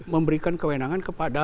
memberikan kewenangan kepada